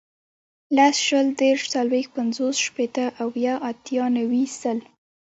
لس, شل, دېرش, څلوېښت, پنځوس, شپېته, اویا, اتیا, نوي, سل